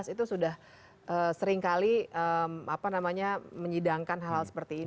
itu sudah seringkali menyidangkan hal hal seperti ini